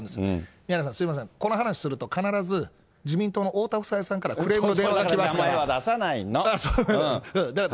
宮根さん、すみません、この話すると必ず、自民党の太田房江さんからクレームの電話が来ますから。